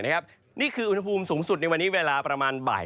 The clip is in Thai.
นี่คืออุณหภูมิสูงสุดในวันนี้เวลาประมาณบ่าย